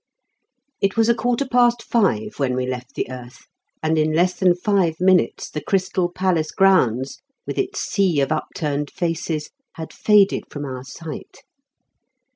It was a quarter past five when we left the earth, and in less than five minutes the Crystal Palace grounds, with its sea of upturned faces, had faded from our sight.